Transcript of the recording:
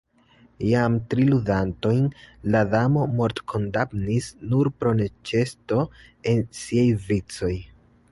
Jam tri ludantojn la Damo mortkondamnis nur pro neĉeesto en siaj vicoj.